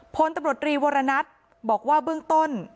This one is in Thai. พลตำรวจรีวรณัทบอกว่าเบื้องต้น